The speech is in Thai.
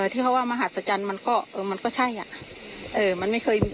ที่เขาว่ามหัศจรรย์มันก็ใช่อะ